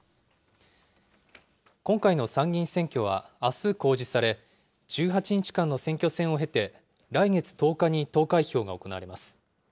今回の参議院選挙はあす公示され、１８日間の選挙戦を経て、来月１０日に投開票が行われます。